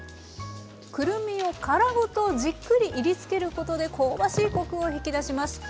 くるみを殻ごとじっくりいりつけることで香ばしいコクを引き出します。